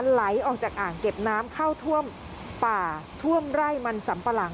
ไหลออกจากอ่างเก็บน้ำเข้าท่วมป่าท่วมไร่มันสำปะหลัง